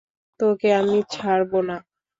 তোকে আমি ছাড়বো না।